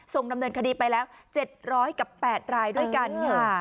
ดำเนินคดีไปแล้ว๗๐๐กับ๘รายด้วยกันค่ะ